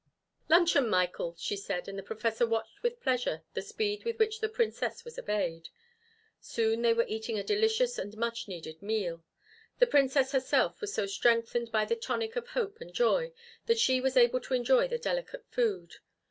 "Luncheon, Michael!" she said, and the Professor watched with pleasure the speed with which the Princess was obeyed. Soon they were eating a delicious and much needed meal. The Princess herself was so strengthened by the tonic of hope and joy that she was able to enjoy the delicate food.